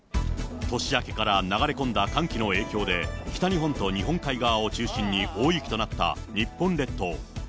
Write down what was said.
年明けから流れ込んだ寒気の影響で、北日本と日本海側を中心に大雪となった日本列島。